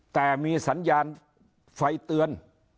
แต่มีสัญญาณไฟเตือน